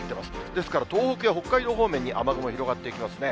ですから東北や北海道方面に雨雲広がっていきますね。